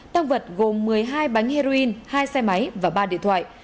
tăng vật gồm một mươi hai bánh heroin hai xe máy và ba điện thoại